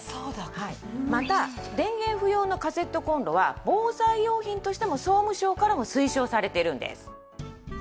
また電源不要のカセットコンロは防災用品としても総務省からも推奨されているんです。